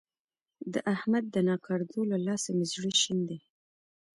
د احمد د ناکړدو له لاسه مې زړه شين دی.